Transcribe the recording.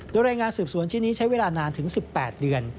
โดยรายงานสืบสวนชิ้นนี้ใช้เวลานานถึง๑๘เดือน